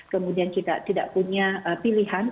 kemudian kita tidak punya pilihan